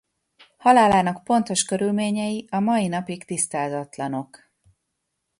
Halálának pontos körülményei a mai napig tisztázatlanok.